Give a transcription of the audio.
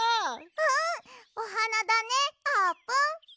うんおはなだねあーぷん。